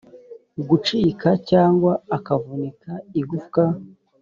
gucika cyangwa akavunika igufwa